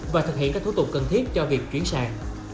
và thực hiện các thủ tục cần thiết cho việc chuyển sang